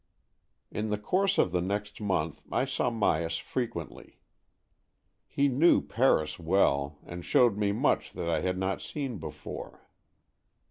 In the course of the next month I saw Myas frequently. He knew Paris well, and showed me much that I had not seen before.